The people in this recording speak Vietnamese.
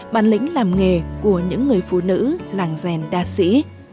bản lĩnh làm nghề của những người phụ nữ làng rèn đa sĩ